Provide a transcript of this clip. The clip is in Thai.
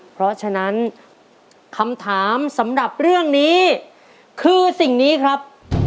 เพราะฉะนั้นคำถามสำหรับเรื่องนี้คือสิ่งนี้ครับ